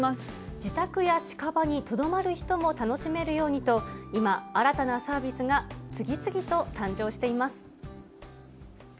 自宅や近場にとどまる人も楽しめるようにと、今、新たなサービスが次々と誕生しています。